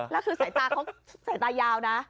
แล้วคือสายตายาวนะ